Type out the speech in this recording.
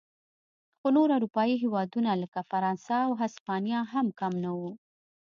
خو نور اروپايي هېوادونه لکه فرانسه او هسپانیا هم کم نه و.